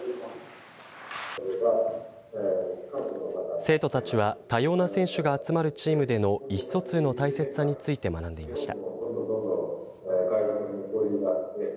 生徒たちは多様な選手が集まるチームでの意思疎通の大切さについて学んでいました。